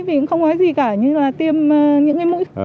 vì không có gì cả như là tiêm những mũi